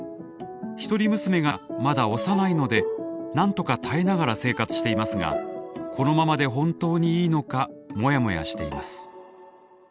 一人娘がまだ幼いのでなんとか耐えながら生活していますがこのままで本当にいいのかモヤモヤしています。